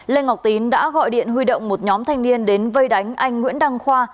lê ngọc tín đã gọi điện huy động một nhóm thanh niên đến vây đánh anh nguyễn đăng khoa